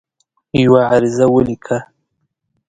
یوه عریضه ولیکله.